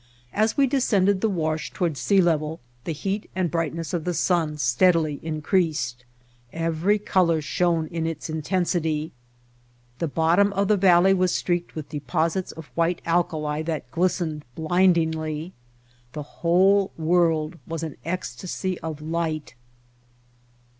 As we descended the wash toward sea level the heat and brightness of the sun steadily increased. White Heart of Mojave Each color shown in its intensity. The bottom of the valley was streaked with deposits of white alkali that glistened blindingly. The whole world was an ecstasy of light.